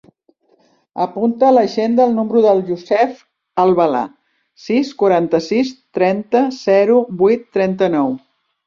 Apunta a l'agenda el número del Youssef Albala: sis, quaranta-sis, trenta, zero, vuit, trenta-nou.